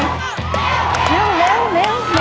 เร็วเร็วเล็วเร็วเร็วสู้